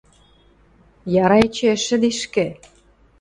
Яра эче ӹш шӹдешкӹ.